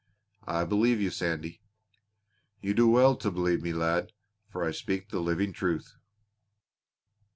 "I believe you, Sandy." "You do well to believe me, lad, for I speak the living truth!"